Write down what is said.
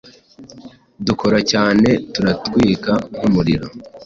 Dukora cyane turatwika nkumuriro